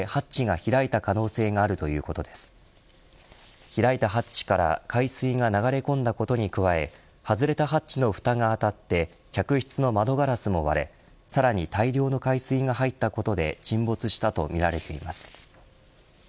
開いたハッチから海水が流れ込んだことに加え外れたハッチのふたが当たって客室の窓ガラスも割れさらに大量の海水が入ったことで沈没したとみられています。